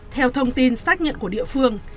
theo thông tin xác nhận của địa phương